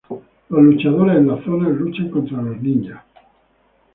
Los luchadores en las zonas luchan contra los ninjas.